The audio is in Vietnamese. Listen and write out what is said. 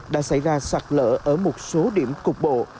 đã xảy ra sạc lỡ ở một số điểm cục bộ